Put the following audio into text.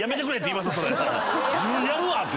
自分でやるわ！って。